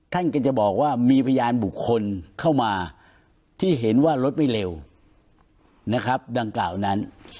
ท่านก็จะบอกว่ามีพยานบุคคลเข้ามาที่เห็นว่ารถไม่เร็วนะครับดังกล่าวนั้น